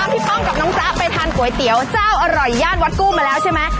คุณผู้ชมค่ะตามพี่ป้องกับน้องซาไปทานก๋วยเตี๋ยวเจ้าอร่อยย่านวัดกู้มาแล้วใช่ไหม